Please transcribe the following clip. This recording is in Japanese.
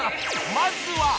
［まずは］